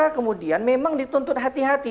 tapi kpk kemudian memang dituntut hati hati